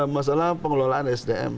masalah pengelolaan sdm